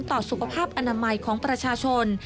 ต่อสุขภาพอนามัยของประชาชน